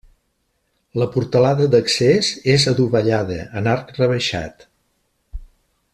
La portalada d'accés és adovellada, en arc rebaixat.